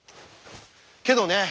けどね